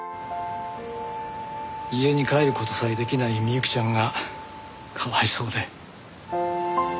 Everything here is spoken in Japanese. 家に帰る事さえ出来ない美雪ちゃんがかわいそうで。